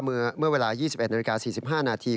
เมื่อเวลา๒๑นาฬิกา๔๕นาที